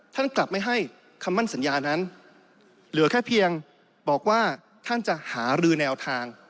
ท่านกลับไม่ให้คำมั่นสัญญานั้นเหลือแค่เพียงบอกว่าท่านจะหารือแนวทาง